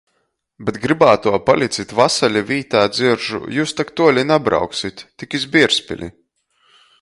Bet grybātuo "Palicit vasali!" vītā dzieržu "Jius tok tuoli nabrauksit?" Tik iz Bierzpili...